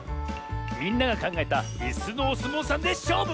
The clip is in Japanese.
みんながかんがえたいすのおすもうさんでしょうぶ！